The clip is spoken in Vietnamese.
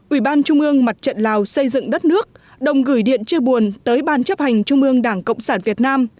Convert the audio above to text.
ủy ban trung ương mặt trận lào xây dựng đất nước đồng gửi điện chưa buồn tới ban chấp hành trung ương đảng cộng sản việt nam